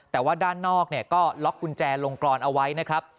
แต่ว่าด้านนอกก็ล็อกกุญแจลงกรอนเอาไว้นะครับ